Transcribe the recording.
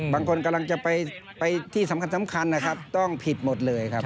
บางคนกำลังจะไปที่สำคัญต้องผิดหมดเลยครับ